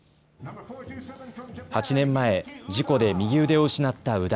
８年前、事故で右腕を失った宇田。